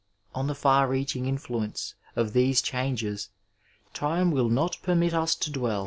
On the far reaching influence of these changes time wiU not permit us to dweU.